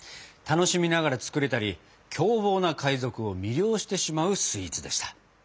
楽しみながら作れたり凶暴な海賊を魅了してしまうスイーツでした。